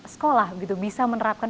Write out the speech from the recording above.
sekolah bisa menerapkan